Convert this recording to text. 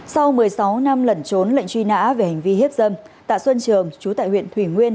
sau một mươi sáu năm lẩn trốn lệnh truy nã về hành vi hiếp dâm tạ xuân trường chú tại huyện thủy nguyên